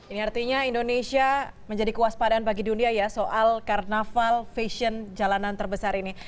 ini artinya indonesia menjadi kewaspadaan bagi dunia ya soal karnaval fashion jalanan terbesar ini